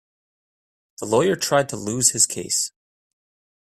The lawyer tried to lose his case.